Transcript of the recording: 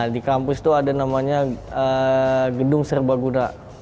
di kampus itu ada namanya gedung serba guna